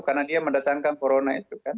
karena dia mendatangkan corona itu kan